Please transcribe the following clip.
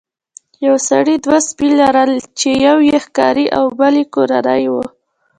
یو سړي دوه سپي لرل چې یو یې ښکاري او بل یې کورنی و.